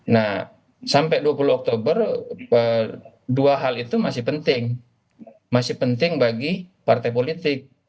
nah sampai dua puluh oktober dua hal itu masih penting masih penting bagi partai politik